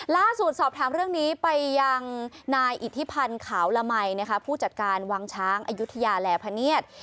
ล่าสุดสอบถามเรื่องนี้ไปยังนายอิทธิพันธ์ขาวละมัยผู้จัดการวังช้างอายุทยาแหล่พเนียด